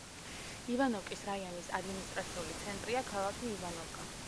ივანოვკის რაიონის ადმინისტრაციული ცენტრია ქალაქი ივანოვკა.